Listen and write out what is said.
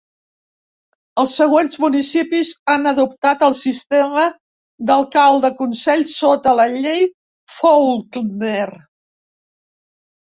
Els següents municipis han adoptat el sistema d'alcalde-consell sota la Llei Faulkner.